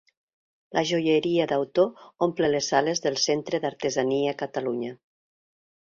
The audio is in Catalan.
La joieria d'autor omple les sales del Centre d'Artesania Catalunya.